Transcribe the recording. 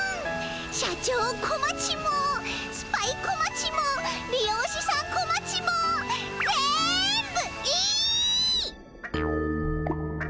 社長小町もスパイ小町も理容師さん小町も全部いい！